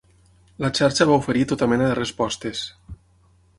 La xarxa va oferir tota mena de respostes.